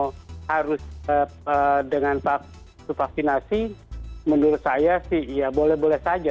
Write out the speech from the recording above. kalau harus dengan vaksinasi menurut saya boleh boleh saja